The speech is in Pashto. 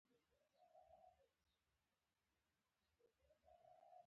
ښکاري د ښکار د نیولو لپاره تاکتیکونه کاروي.